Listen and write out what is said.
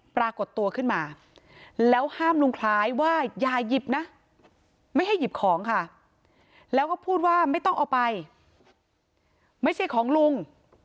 ปรากฏตัวขึ้นมาแล้วห้ามลุงคล้ายว่าอย่าหยิบนะไม่ให้หยิบของค่ะแล้วก็พูดว่าไม่ต้องเอาไปไม่ใช่ของลุง